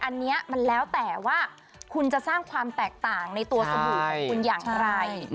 อันนี้มันแล้วแต่ว่าคุณจะสร้างความแตกต่างในตัวสบู่ของคุณอย่างไร